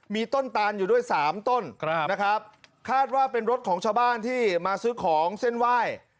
มีต้นตานอยู่ด้วยสามต้นนะครับคาดว่าเป็นรถของชาวบ้านที่มาซื้อของเส้นไหว้